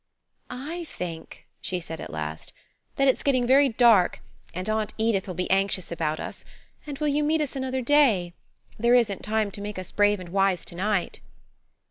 "I think," she said at last, "that it's getting very dark, and Aunt Edith will be anxious about us; and will you meet us another day? There isn't time to make us brave and wise to night."